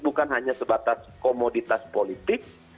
bukan hanya sebatas komoditas politik